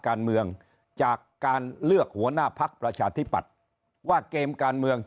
การเมืองจากการเลือกหัวหน้าพักประชาธิปัตย์ว่าเกมการเมือง